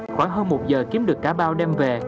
khoảng hơn một giờ kiếm được cả bao đem về